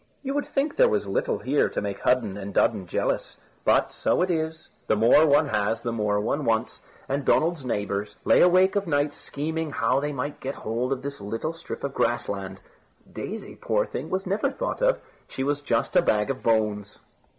You would think there was little here to make Hudden and Dudden jealous, but so it is, the more one has the more one wants, and Donald's neighbours lay awake of nights scheming how they might get hold of his little strip of grass land. Daisy, poor thing, they never thought of; she was just a bag of bones.